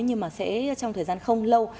nhưng mà sẽ trong thời gian không lâu